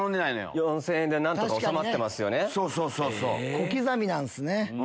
小刻みなんすね。